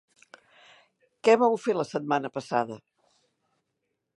Què vau fer la setmana passada?